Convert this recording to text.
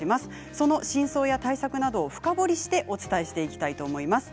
その真相や対策などを深掘りしてお伝えしていきたいと思います。